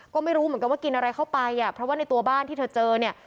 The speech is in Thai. ก็ไม่รู้เหมือนกันว่ากินอะไรเข้าไปอ่ะเพราะว่าในตัวบ้านที่เธอเจอเนี่ย